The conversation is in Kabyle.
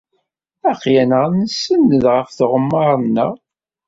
Aql-aneɣ nsenned ɣef tɣemmar-nneɣ.